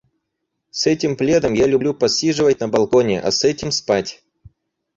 С этим пледом я люблю посиживать на балконе, а с этим — спать.